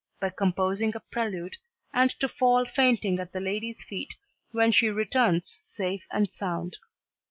by composing a prelude, and to fall fainting at the lady's feet when she returns safe and sound.